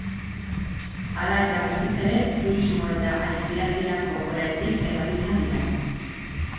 Hala eta guztiz ere, turismo eta aisialdirako oraindik erabiltzen dira.